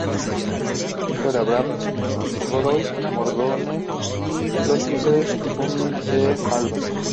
Hijo de Abraham Godoy Mardones y Clotilde Fuentealba.